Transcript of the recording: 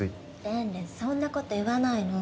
れんれんそんなこと言わないの。